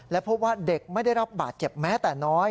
และพบว่าเด็กไม่ได้รับบาดเจ็บแม้แต่น้อย